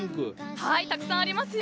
たくさんありますよ。